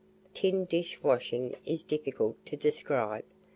Tin dish washing is difficult to describe.